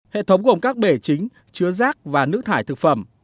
hệ thống gồm các bể chính chứa rác và nước thải thực phẩm